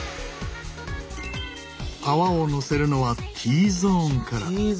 泡をのせるのはＴゾーンから。